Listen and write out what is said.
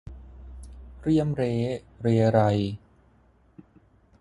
เรี่ยมเร้เรไร